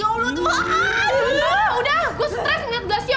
aduh udah gue stress ngeliat glasio